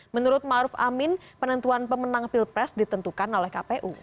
menurut ma'ruf amin penentuan pemenang pilpres ditentukan oleh kpu